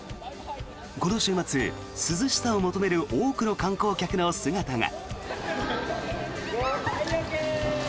この週末、涼しさを求める多くの観光客の姿が。